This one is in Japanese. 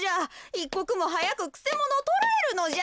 いっこくもはやくくせものをとらえるのじゃ。